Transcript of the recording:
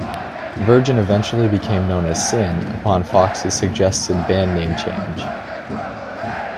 Virgin eventually became known as Sin upon Fox's suggested band name change.